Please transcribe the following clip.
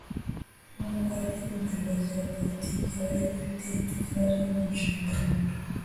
nk’uwari umuyobozi wa politiki wari ufite icyo kibazo mu nshingano